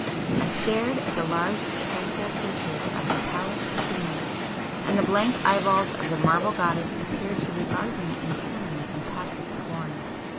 I stared at the large tranquil features of the Pallas Athene,—and the blank eyeballs of the marble goddess appeared to regard me in turn with impassive scorn.